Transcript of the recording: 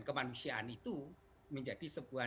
kemanusiaan itu menjadi sebuah